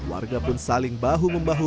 warga pun saling bahu membahu